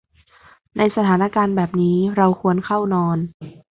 ในสถานการณ์แบบนี้ เราควรเข้านอน